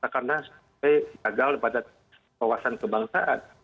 karena saya gagal pada wawasan kebangsaan